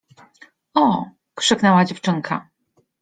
— Oo! — krzyknęła dziewczynka.